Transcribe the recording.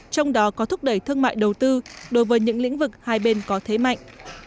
trong đó có thúc đẩy thương mại đầu tư đối với những lĩnh vực hai bên có thế mạnh